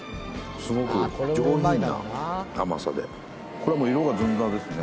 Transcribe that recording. すごく上品な甘さでこれはもう色がずんだですね